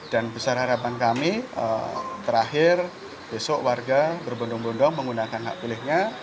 dan besar harapan kami terakhir besok warga berbondong bondong menggunakan hak pilihnya